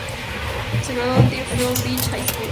Se graduó en Deerfield Beach High School.